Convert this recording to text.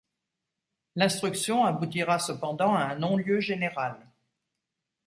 L’instruction aboutira cependant à un non-lieu général.